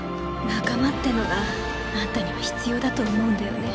“仲間”ってのがあんたには必要だと思うんだよね。！